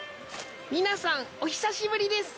皆さんお久しぶりです。